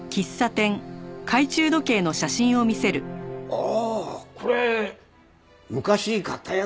ああこれ昔買ったやつです。